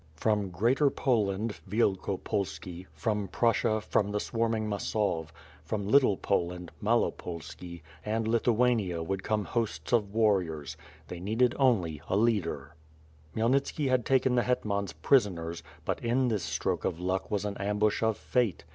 Irom Greater Poland (Wiclkopolski), from Prussia, from the S'varming Masov, from Little Poland (Malopolski), and Lithujinia would come hosts of warriors — they needed only a leader. Khmyelnitski had taken the hetmans prisoners, but in this stroke of luck was an ambush of fate.